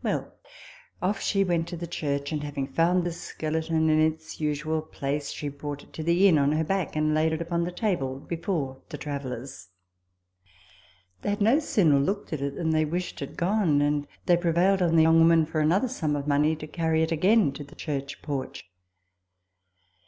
Well, off she set to the church ; and having found 124 RECOLLECTIONS OF THE the skeleton in its usual place, she brought it to the inn on her back, and laid it upon the table before the travellers. They had no sooner looked at it than they wished it gone ; and they prevailed on the young woman, for another sum of money, to carry it again to the church porch.